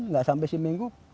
tidak sampai seminggu